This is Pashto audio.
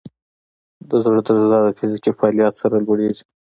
د زړه درزا د فزیکي فعالیت سره لوړېږي.